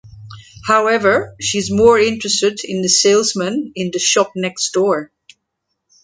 However she is more interested in the salesman in the shop next door.